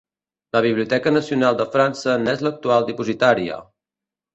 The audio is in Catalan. La Biblioteca nacional de França n'és l'actual dipositària.